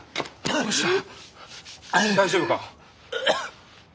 大丈夫か？